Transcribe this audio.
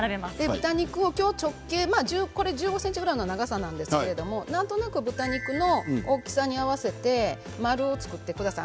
豚肉１５ｃｍぐらいの長さなんですけれども豚肉の大きさに合わせて丸を作ってください。